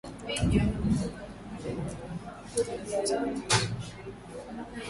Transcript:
Wapiganaji hujulikana vizuri na mara nyingi hupigwa picha katika ushindani huo wa kuruka